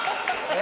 え？